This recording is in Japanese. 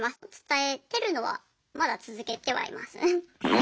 え